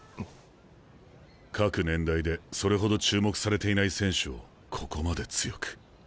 各年代でそれほど注目されていない選手をここまで強く。